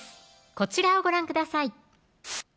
こちらをご覧ください